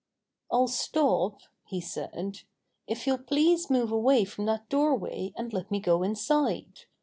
"I'll stop," he said, "if you'll please move away from that doorway and let me go inside.